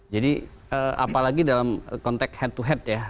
jadi apalagi dalam konteks head to head ya